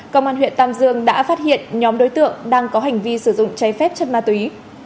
công an huyện tam dương đã phát hiện nhóm đối tượng đang có hành vi sử dụng cháy phép chất ma túy